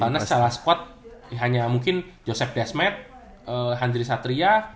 karena secara squad hanya mungkin joseph desmet handri satria